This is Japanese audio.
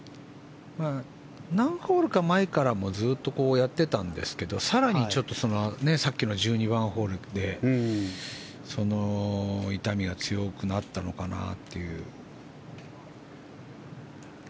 何ホールか前からずっとこうやってたんですけど更にさっきの１２番ホールで痛みが強くなったのかなという。